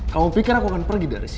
kamu pikir aku akan pergi dari sini